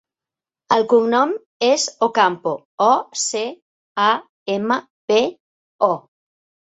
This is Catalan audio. El cognom és Ocampo: o, ce, a, ema, pe, o.